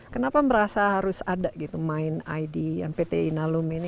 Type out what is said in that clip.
kenapa merasa harus ada main id yang pt inalum